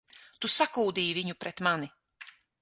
Tu sakūdīji viņu pret mani!